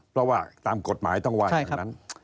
เพราะว่าตามกฎหมายต้องว่ากัน